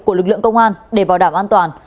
của lực lượng công an để bảo đảm an toàn